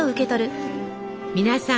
皆さん